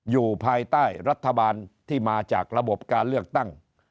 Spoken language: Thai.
อยู่ภายใต้รัฐบาลที่มาจากระบบการเลือกตั้ง